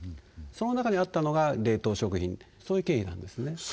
その中にあったのが冷凍食品そういう経緯なんですね